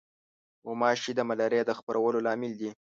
غوماشې د ملاریا د خپرولو لامل دي.